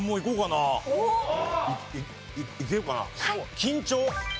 緊張。